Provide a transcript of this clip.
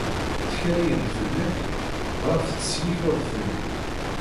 Ttkalayen fell-ak, dɣa tettsellikeḍ-ten-id.